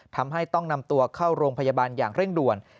ทำให้ต้องนำตัวเข้าโรงพยาบาลอย่างเร่งด่วน